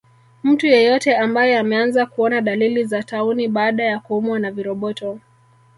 Mtu yeyote ambaye ameanza kuona dalili za tauni baada ya kuumwa na viroboto